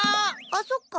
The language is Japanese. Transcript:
あそっか。